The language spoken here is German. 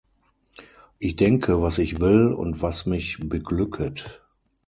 Ich denke was ich will und was mich beglücket.